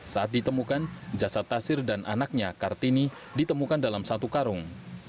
saat ditemukan jasad tasir dan anaknya kartini ditemukan dalam satu karung